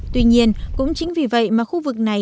tuy nhiên cũng chính vì vậy mà khu vực này